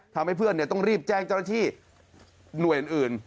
ทำให้เพื่อนต้องรีบแจ้งเจ้าหน้าที่หน่วยอื่น